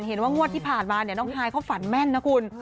เห็นว่างวดที่ผ่านมาเนี่ยน้องฮายเขาฝันแม่นนะคุณ